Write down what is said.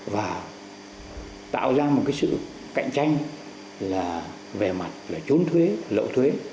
và tạo ra một sự cạnh tranh về mặt chốn thuế lộ thuế